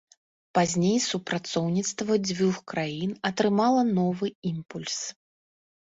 Пазней супрацоўніцтва дзвюх краін атрымала новы імпульс.